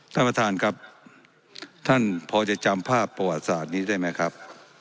ท่านประธานครับท่านพอจะจำภาพประวัติศาสตร์นี้ได้ไหมครับ